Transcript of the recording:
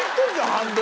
半分。